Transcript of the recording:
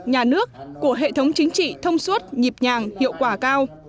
nhà nước của hệ thống chính trị thông suốt nhịp nhàng hiệu quả cao